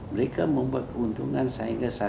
mereka membuat keuntungan sehingga